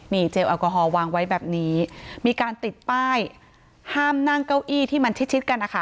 นี่เจลแอลกอฮอลวางไว้แบบนี้มีการติดป้ายห้ามนั่งเก้าอี้ที่มันชิดชิดกันนะคะ